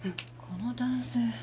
この男性。